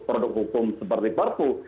produk hukum seperti perpu